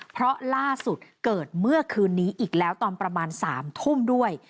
เพราะล่าสุดเกิดเมื่อคืนนี้อีกแล้วตอนประมาณ๓ทุ่มด้วย